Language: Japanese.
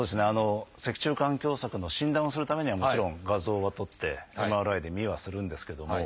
脊柱管狭窄の診断をするためにはもちろん画像は撮ってＭＲＩで見はするんですけども。